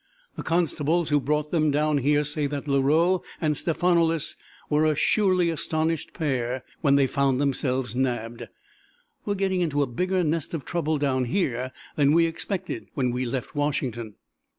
The constables who brought them down here say that Leroux and Stephanoulis were a surely astonished pair when they found themselves nabbed. We are getting into a bigger nest of trouble down here than we expected when we left Washington."